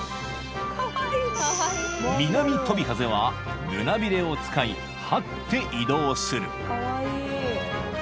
［ミナミトビハゼは胸びれを使いはって移動する］